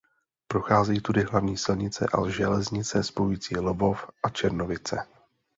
Prochází tudy hlavní silnice a železnice spojující Lvov a Černovice.